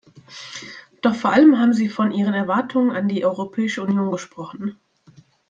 Doch vor allem haben sie von ihren Erwartungen an die Europäische Union gesprochen.